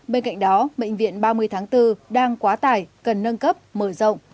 bên cạnh đó bệnh viện ba mươi tháng bốn đang quá tải cần nâng cấp mở rộng